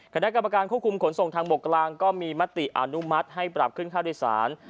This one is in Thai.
คณะกรรมการควบคุมขนส่งทางบกกลางก็มีมติอนุมัติให้ปรับขึ้นค่าโดยสาร